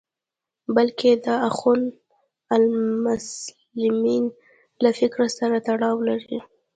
بلکې د اخوان المسلمین له فکر سره تړاو لري.